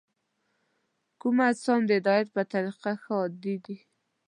کوم اجسام د هدایت په طریقه ښه هادي دي؟